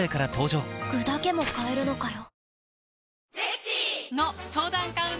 具だけも買えるのかよ